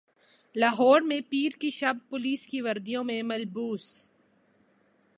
لاہور میں پیر کی شب پولیس کی وردیوں میں ملبوس